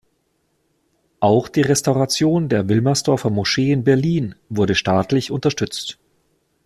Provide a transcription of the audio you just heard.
Auch die Restauration der Wilmersdorfer Moschee in Berlin wurde staatlich unterstützt.